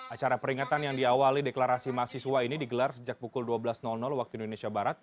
acara peringatan yang diawali deklarasi mahasiswa ini digelar sejak pukul dua belas waktu indonesia barat